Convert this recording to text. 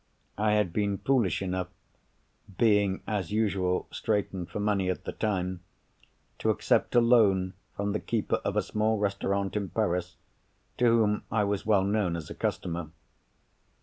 I had been foolish enough (being, as usual, straitened for money at the time) to accept a loan from the keeper of a small restaurant in Paris, to whom I was well known as a customer.